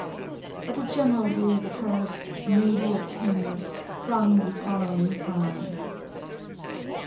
But a general view of the Code may be obtained from the following summary:— 1.